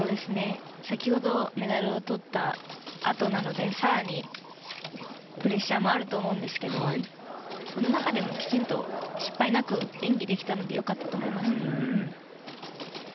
先ほどメダルをとったあとなので更にプレッシャーもあると思うんですけどその中でも、きちんと失敗なく演技ができたので良かったと思います。